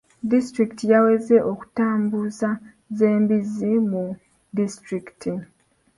Disitulikiti yaweze okutambuza z'embizi mu disitulikiti.